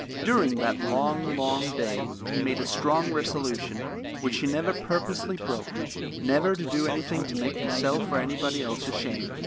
During that long, long day he made a strong resolution, which he never purposely broke, never to do anything to make himself or anybody else ashamed.